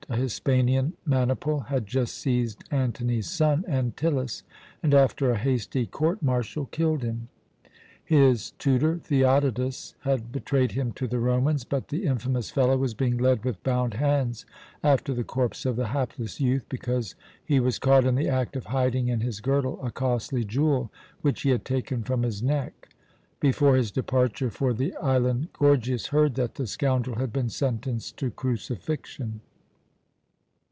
A Hispanian maniple had just seized Antony's son Antyllus and, after a hasty court martial, killed him. His tutor, Theodotus, had betrayed him to the Romans, but the infamous fellow was being led with bound hands after the corpse of the hapless youth, because he was caught in the act of hiding in his girdle a costly jewel which he had taken from his neck. Before his departure for the island Gorgias heard that the scoundrel had been sentenced to crucifixion.